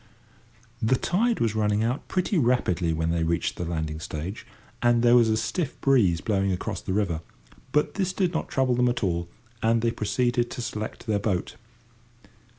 The tide was running out pretty rapidly when they reached the landing stage, and there was a stiff breeze blowing across the river, but this did not trouble them at all, and they proceeded to select their boat.